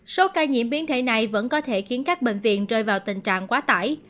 số ca nhiễm biến thể này vẫn có thể khiến các bệnh viện rơi vào tình trạng quá tải